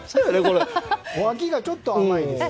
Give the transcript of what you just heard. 脇がちょっと甘いです。